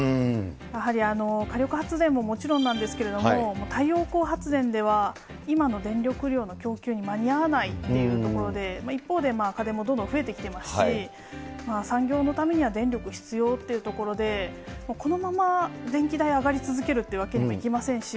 やはり火力発電ももちろんなんですけれども、太陽光発電では、今の電力量の供給に間に合わないというところで、一方で、家電もどんどん増えてきてますし、産業のためには電力必要っていうところで、このまま電気代上がり続けるというわけにもいきませんし。